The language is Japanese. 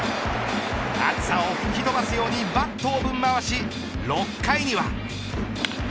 暑さを吹き飛ばすようにバットをぶん回し６回には。